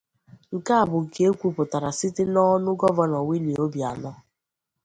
Nke a bụ nke e kwupụtara site n'ọnụ Gọvanọ Willie Obianọ